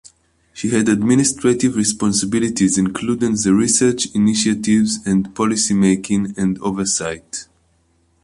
She had administrative responsibilities including the research initiatives and policy making and oversight.